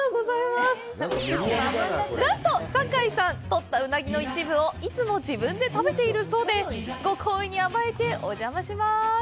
取ったうなぎの一部をいつも自分で食べているそうでご厚意に甘えてお邪魔します。